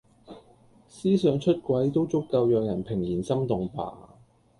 思想出軌都足夠讓人怦然心動吧！